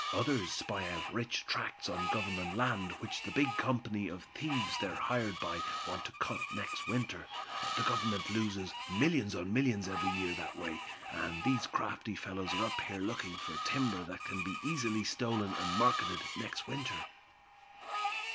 Others spy out rich tracts on Government land, which the big company of thieves they're hired by, want to cut next winter. The Government loses millions on millions every year that way. And these crafty fellows are up here looking for timber that can be easily stolen and marketed next winter."